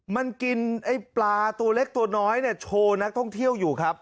มันกินไอ้ปลาตัวเล็กตัวน้อยเนี่ยโชว์นักท่องเที่ยวอยู่ครับ